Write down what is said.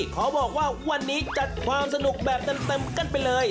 ขอบอกว่าวันนี้จัดความสนุกแบบเต็มกันไปเลย